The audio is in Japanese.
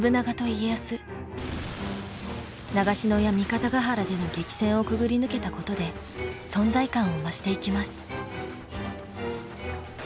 長篠や三方ヶ原での激戦をくぐり抜けたことで存在感を増していきます。